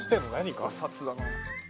「ガサツだな」